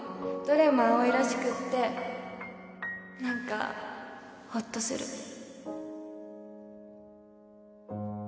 どれも葵らしくって何かほっとする